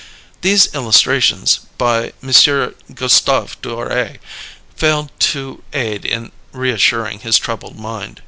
These illustrations, by M. Gustave Doré, failed to aid in reassuring his troubled mind.